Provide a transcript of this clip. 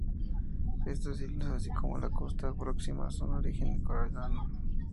Estas islas, así como la costa próxima, son de origen coralino.